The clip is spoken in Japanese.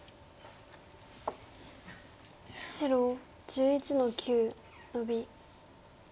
白１１の九ノビ。